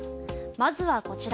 まずはこちら。